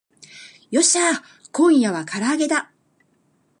よっしゃー今夜は唐揚げだ